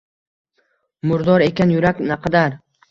Murdor ekan yurak naqadar